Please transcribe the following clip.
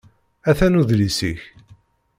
Atan udlis-ik.